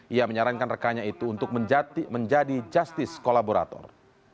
ia menyarankan rekannya itu untuk menjadi justice kolaborator